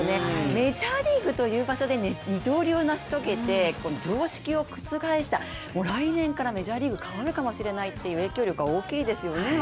メジャーリーグという場所で二刀流を成し遂げて、常識を覆した、来年からメジャーリーグ変わるかもしれないという影響力は大きいですよね。